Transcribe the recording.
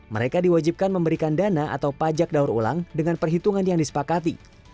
mereka diwajibkan memberikan dana atau pajak daur ulang dengan perhitungan yang disepakati